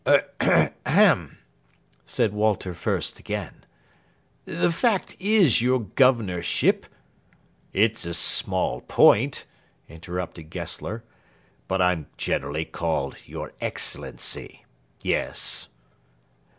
"Er ahem!" said Walter Fürst again; "the fact is, your Governorship " "It's a small point," interrupted Gessler, "but I'm generally called 'your Excellency.' Yes?"